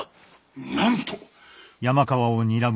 なんと。